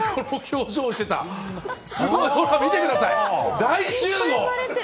ほら、見てください、大集合！